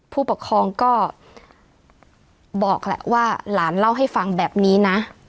ผู้ปกครองก็บอกแหละว่าหลานเล่าให้ฟังแบบนี้นะ